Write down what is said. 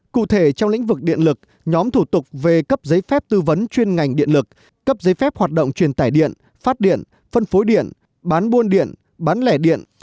cụ thể trong lĩnh vực điện lực nhóm thủ tục về cấp giấy phép tư vấn chuyên ngành điện lực cấp giấy phép hoạt động truyền tải điện phát điện phân phối điện bán buôn điện bán lẻ điện